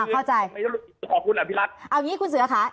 ผมติดต่อทางบริษัทครับ